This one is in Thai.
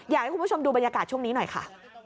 อยากให้คุณผู้ชมดูบรรยากาศช่วงนี้หน่อยค่ะ